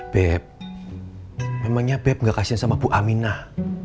beb memangnya beb gak kasian sama bu aminah